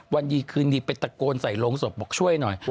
วันดีคืนดีไปตะโกนใส่โรงศพบอกช่วยหน่อย